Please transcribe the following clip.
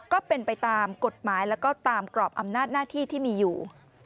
ก็เป็นไปตามกฎหมายแล้วก็ตามกรอบอำนาจหน้าที่ที่มีอยู่